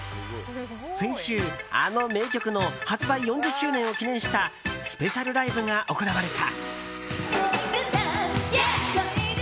先週、あの名曲の発売４０周年を記念したスペシャルライブが行われた。